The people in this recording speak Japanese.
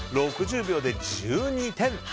６０秒で１２点。